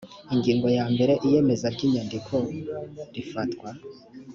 ingingo ya mbere iyemeza ry inyandiko rifatwa